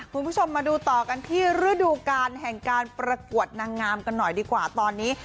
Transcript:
คุณผู้ชมมาดูต่อกันที่ฤดูการแห่งการประกวดนางงามกันหน่อยดีกว่าตอนนี้